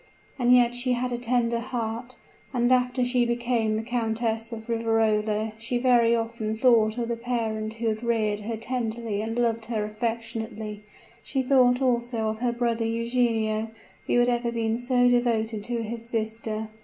And yet she had a tender heart; and after she became the Countess of Riverola she very often thought of the parent who had reared her tenderly and loved her affectionately; she thought also of her brother Eugenio, who had ever been so devoted to his sister.